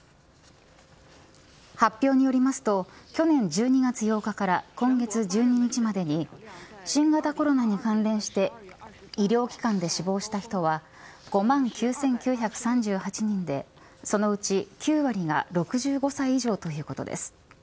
発表によりますと去年１２月８日から今月１２日までに新型コロナに関連して医療機関で死亡した人は５万９９３８人でそのうち９割が６５歳以上ということです。